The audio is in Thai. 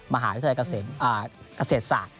มหาวิทยาลัยเกษตรศาสตร์